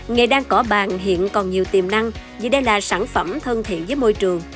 ngày đang cỏ bàn hiện còn nhiều tiềm năng vì đây là sản phẩm thân thiện với môi trường